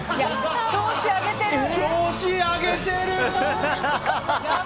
調子上げてる！